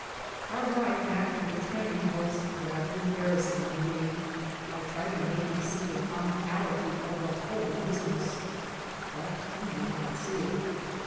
Our ride back to the train was rather em barrassing to me. I tried to make him see the comicality of the whole business, but he would not see it.